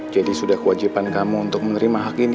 jadi sudah kewajiban kamu untuk menerima hak ini